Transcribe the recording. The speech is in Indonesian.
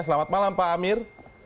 selamat malam pak amir